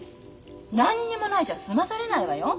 何にもないじゃ済まされないわよ？